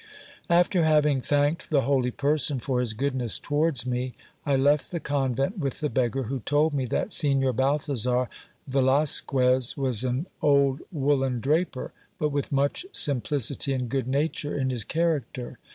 After having thanked the holy person for his goodness towards me, I left the convent with the beggar, who told me that Signor Balthasar Velasquez was an old woollen draper, but with much simplicity and good nature in his character.